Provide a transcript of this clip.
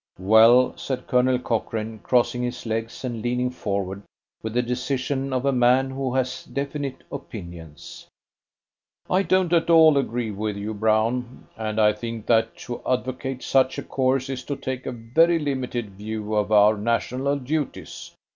"Well," said Colonel Cochrane, crossing his legs and leaning forward with the decision of a man who has definite opinions, "I don't at all agree with you, Brown, and I think that to advocate such a course is to take a very limited view of our national duties.